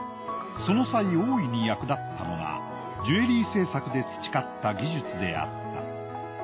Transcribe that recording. その際大いに役立ったのはジュエリー制作で培った技術であった。